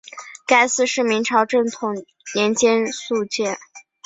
该寺是明朝正统年间敕建。